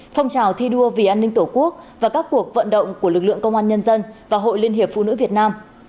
phong trào thi đua vì an ninh tổ quốc và các cuộc vận động của lực lượng công an nhân dân và hội liên hiệp phụ nữ việt nam